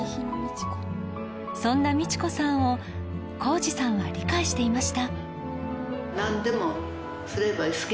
そんな道子さんを弘二さんは理解していました